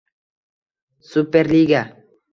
Superliga